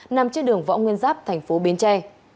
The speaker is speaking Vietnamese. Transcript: nằm trên đường võ nguyên giáp thành phố bến tre